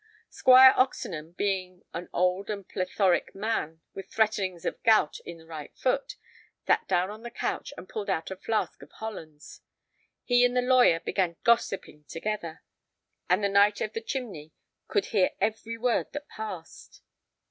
Squire Oxenham, being an old and plethoric man with threatenings of gout in the right foot, sat down on the couch and pulled out a flask of hollands. He and the lawyer began gossiping together, and the Knight of the Chimney could hear every word that passed.